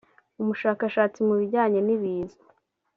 umushakashatsi mu bijyanye n’ibiza